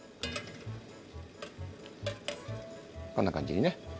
こんな感じにね。